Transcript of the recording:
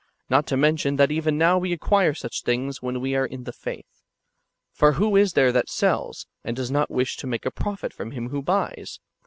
— not to men tion that even now w^e acquire such things when we are in the faith. For wdio is there that sells, and does not wish to make a profit from him who buys